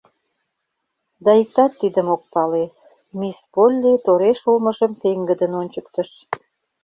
— Да иктат тидым ок пале, — мисс Полли тореш улмыжым пеҥгыдын ончыктыш.